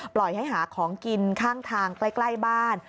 ปล่อยให้หาของกินข้างทางใกล้บ้าน